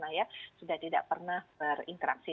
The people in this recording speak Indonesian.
nah ya sudah tidak pernah berinteraksi